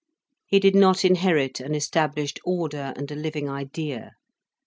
He did not inherit an established order and a living idea.